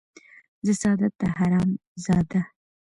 ـ زه ساده ،ته حرام زاده.